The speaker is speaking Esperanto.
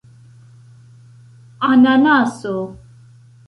ananaso